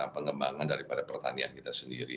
pengembangan daripada pertanian kita sendiri